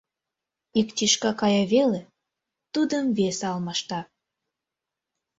Ик тӱшка кая веле, тудым весе алмашта.